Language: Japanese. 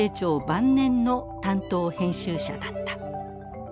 晩年の担当編集者だった。